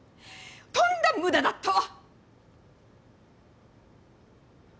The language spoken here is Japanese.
とんだ無駄だったわ！